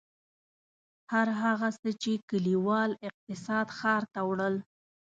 هر هغه څه چې کلیوال اقتصاد ښار ته وړل.